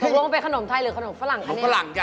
หรือเป็นขนมไทยหรือขนมฝรั่งค่ะนี่ค่ะขนมฝรั่งจ้ะ